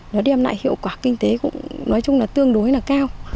nó đem lại hiệu quả kinh tế cũng nói chung là tương đối là cao